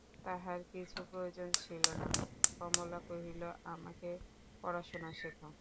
তাহার কিছু প্রয়োজন ছিল না, কমলা কহিল, আমাকে পড়াশুনা শেখাও।